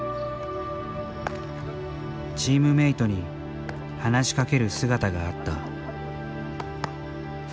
チームメートに話しかける姿があった。